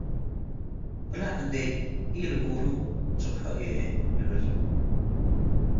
“ብለዕ” እንዴ ኢልቡሉ፤፡ “ጽብሖ እዬ” ልብል።